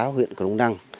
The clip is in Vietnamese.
huyện crong năng